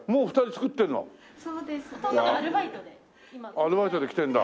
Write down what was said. アルバイトで来てるんだ。